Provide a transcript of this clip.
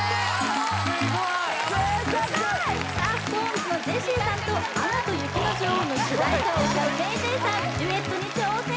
・贅沢さあＳｉｘＴＯＮＥＳのジェシーさんと「アナと雪の女王」の主題歌を歌うＭａｙＪ．さんデュエットに挑戦